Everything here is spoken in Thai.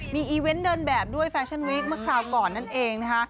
มีอิเวนต์ดินแบบด้วยแฟชั่นวิกเมื่อกล่าก่อนนั่นเอง